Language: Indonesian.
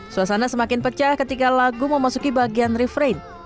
suasana semakin pecah ketika lagu memasuki bagian refrain